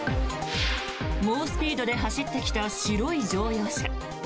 猛スピードで走ってきた白い乗用車。